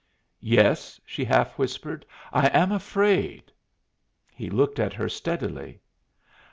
"Yes," she half whispered. "I am afraid." He looked at her steadily.